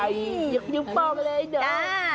ยิงปอกเลยนะ